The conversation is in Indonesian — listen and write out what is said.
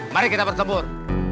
mari kita bertempur